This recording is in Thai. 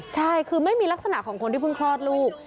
ใช่คือไม่มีลักษณะของคนที่เพิ่งคลอดลูก